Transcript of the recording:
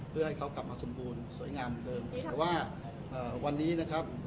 เพื่อให้เขากลับมาสมบูรณ์สวยงามเติมเพราะว่าเอ่อวันนี้นะครับ